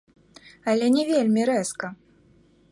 Але не вельмі рэзка.